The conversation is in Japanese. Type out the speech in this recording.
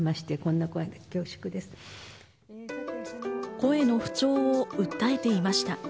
声の不調を訴えていました。